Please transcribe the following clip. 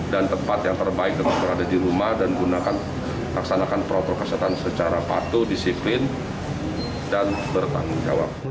dan tempat yang terbaik adalah berada di rumah dan gunakan laksanakan protokol kesehatan secara patuh disiplin dan bertanggung jawab